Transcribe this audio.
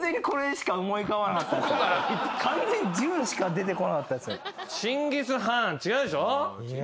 完全に「ジュン」しか出てこなかったです。